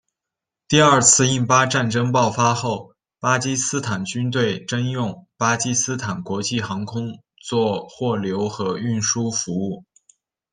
第二次印巴战争爆发后巴基斯坦军队征用巴基斯坦国际航空做货流和运输服务。